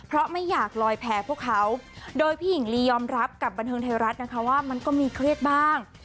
เพราะไม่อยากลอยแพ้พวกเขาโดยพี่หญิงลียอมรับกับบันเทิงไทยรัฐนะคะว่ามันก็มีเครียดบ้าง